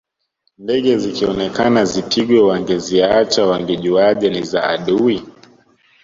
Ndege zikionekana zipigwe wangeziacha wangejuaje ni za adui